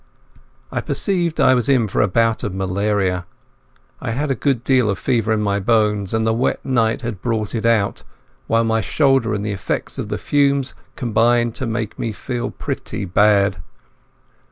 I perceived I was in for a bout of malaria. I had a good deal of fever in my bones, and the wet night had brought it out, while my shoulder and the effects of the fumes combined to make me feel pretty bad.